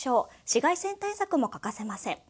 紫外線対策も欠かせません。